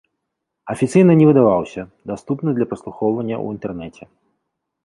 Афіцыйна не выдаваўся, даступны для праслухоўвання ў інтэрнэце.